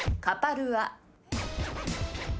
ルア。